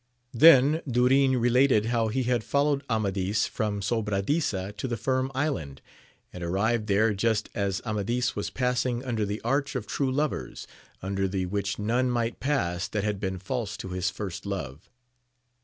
Then Dunn related how he had followed AfnJu^ij; from Sobradisa to the Firm Island, and arrived there just as Atnaulis was passing under the arch of true lovers* under the which none might pass that had been fgJse to his first love.